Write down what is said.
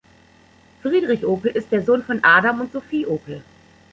Friedrich Opel ist der Sohn von Adam und Sophie Opel.